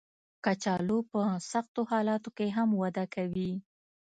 کچالو په سختو حالاتو کې هم وده کوي